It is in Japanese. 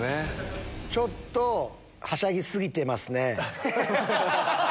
ちょっとはしゃぎすぎてますね。